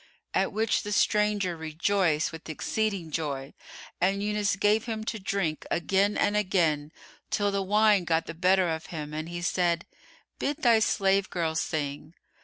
At which the stranger rejoiced with exceeding joy and Yunus gave him to drink again and again, till the wine got the better of him and he said, "Bid thy slave girl sing."